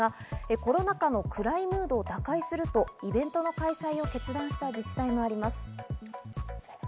コロナ禍の暗いムードを打開すると、イベント開催を決断した自治体もあります。